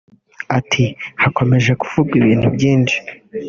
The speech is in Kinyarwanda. Ati “ Hakomeje kuvugwa ibintu byinshi